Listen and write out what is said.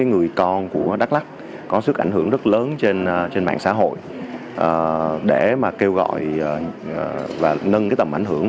người con của đắk lắc có sức ảnh hưởng rất lớn trên mạng xã hội để mà kêu gọi và nâng cái tầm ảnh hưởng